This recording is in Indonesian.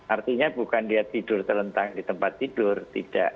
artinya bukan dia tidur terlentang di tempat tidur